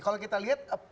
kalau kita lihat